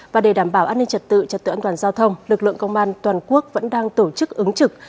và để đảm bảo an ninh trật tự trật tự an toàn giao thông lực lượng công an toàn quốc vẫn đang tổ chức ứng trực